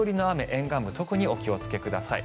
沿岸部特にお気をつけください。